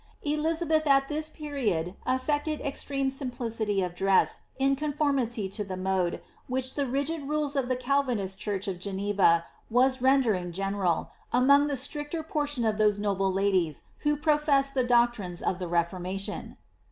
'^' Elizabeth at that period aflected extreme simplicity of dress, in conformity to the mode, which the rigid rules of the Calvinistic church of .Greneva was rendering gene ral, among the stricter portion of those noble ladies who professed the doctrines of the lleformation.